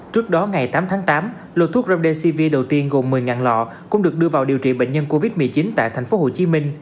trước đó ngày tám tháng tám lột thuốc remdesivir đầu tiên gồm một mươi lọ cũng được đưa vào điều trị bệnh nhân covid một mươi chín tại tp hcm